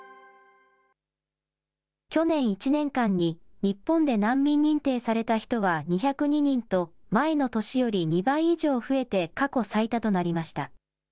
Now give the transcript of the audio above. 去年１年間に、日本で難民認定された人は２０２人と、前の年より２倍以上増えて過去最多となりました。